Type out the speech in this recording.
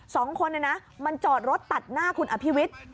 สองคนเนี่ยนะมันจอดรถตัดหน้าคุณอภิวิต